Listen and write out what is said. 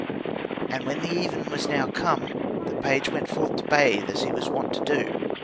And when the even was now come, the page went forth to bathe as he was wont to do.